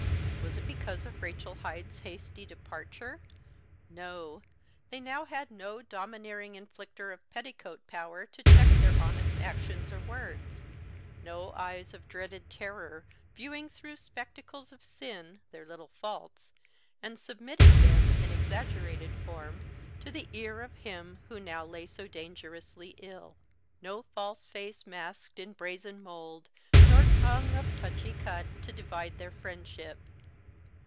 Was it because of Rachel Hyde's hasty departure? No! They had now no domineering inflicter of petticoat power to check their honest actions or words; no eyes of dreaded terror viewing through spectacles of sin their little faults, and submitting them, in exaggerated form, to the ear of him who now lay so dangerously ill; no false face masked in brasen mould, nor tongue of touchy cut to divide their friendship.